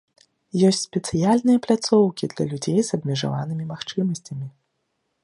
Ёсць спецыяльныя пляцоўкі для людзей з абмежаванымі магчымасцямі.